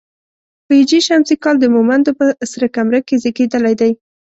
په هـ ش کال د مومندو په سره کمره کې زېږېدلی دی.